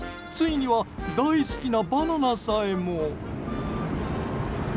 ついには大好きなバナナさえも。